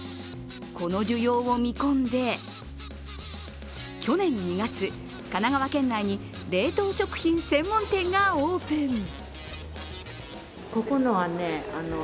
この需要を見込んで、去年２月、神奈川県内に冷凍食品専門店がオープン。